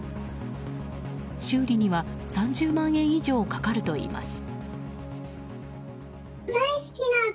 修理には３０万円以上かかるといいます。